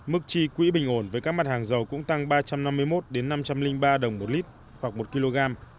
mức chi quỹ bình ổn với các mặt hàng dầu cũng tăng ba trăm năm mươi một năm trăm linh ba đồng một lít hoặc một kg